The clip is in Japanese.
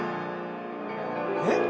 えっ？